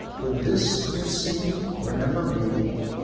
When this you see remember me.